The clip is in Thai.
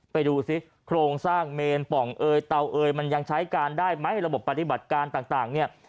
ไปดูซิโครงสร้างเมนป่องเอยเตาเอยมันยังใช้การได้ไหมระบบปฏิบัติการต่างเนี่ย